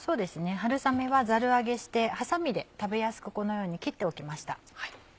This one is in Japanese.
春雨はザル上げしてハサミで食べやすくこのように切っておきました。